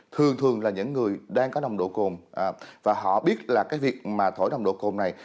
thường thường là những người đang có nồng độ cồn và họ biết là cái việc mà thổi nồng độ cồn này